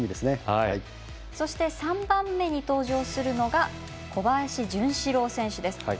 そして３番目に登場するのが小林潤志郎選手です。